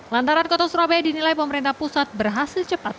lantaran kota surabaya dinilai pemerintah pusat berhasil cepat